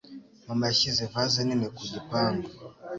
Mama yashyize vase nini ku gipangu.